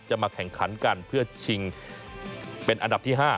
มาแข่งขันกันเพื่อชิงเป็นอันดับที่๕